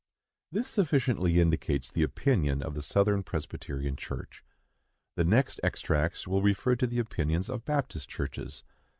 This sufficiently indicates the opinion of the Southern Presbyterian Church. The next extracts will refer to the opinions of Baptist Churches.